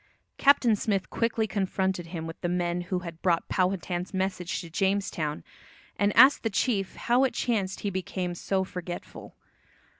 Captain Smith quickly confronted him with the men who had brought Powhatan's message to Jamestown, and asked the chief "how it chanced he became so forgetful."